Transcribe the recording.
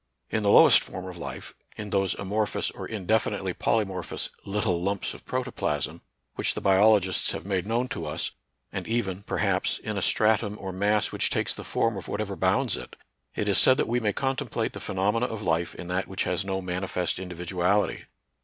In the lowest form of life, in those amorphous or indefinitely poly morphous " little lumps of protoplasm " which the biologists have made known to us, and even, perhaps, in a stratum or mass which takes the form of whatever bounds it, it is said that we may contemplate the phenomena of life in that which has no manifest individuality.